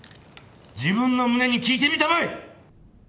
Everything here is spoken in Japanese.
自分の胸に聞いてみたまえ！